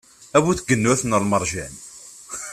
A bu tgennurt n lmerjan.